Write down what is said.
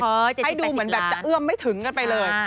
เฮ่ย๗๐๘๐ล้านให้ดูเหมือนแบบจะเอื้อมไม่ถึงกันไปเลย